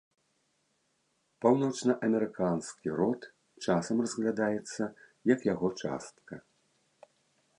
Паўночнаамерыканскі род часам разглядаецца як яго частка.